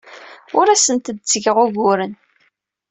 Ur asent-d-ttgeɣ uguren.